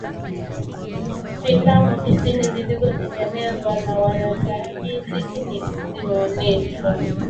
Filamu tisini zilizotengenezwa na waandaaji sitini zimeoneshwa